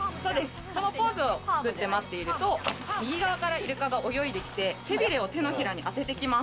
そのポーズを作って待っていると、右側からイルカが泳いできて背びれを手のひらに当ててきます。